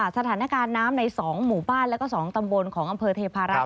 สถานการณ์น้ำใน๒หมู่บ้านแล้วก็๒ตำบลของอำเภอเทพารักษ์